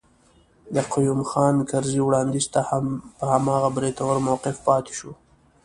د قيوم خان کرزي وړانديز ته هم په هماغه بریتور موقف پاتي شو.